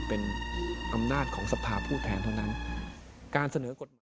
เป็นอำนาจของสภาพผู้แทนเท่านั้น